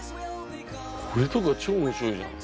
これとか超面白いじゃん。